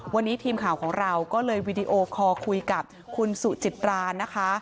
วันนี้ทีมข่าวของเราก็เลยวีดีโอคอลคุยกับคุณสุจิตรานะคะ